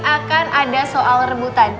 akan ada soal rebutan